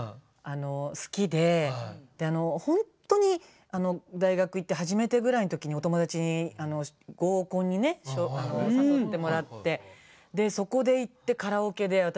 好きでであのほんとに大学行って初めてぐらいの時にお友達に合コンにね誘ってもらってでそこで行ってカラオケで私